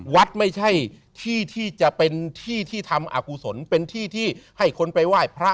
วัดไม่ใช่ที่ที่จะเป็นที่ที่ทำอากุศลเป็นที่ที่ให้คนไปไหว้พระ